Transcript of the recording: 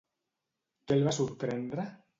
Què el va sorprendre?